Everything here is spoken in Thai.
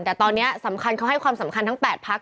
แต่ตอนนี้สำคัญเขาให้ความสำคัญทั้ง๘พัก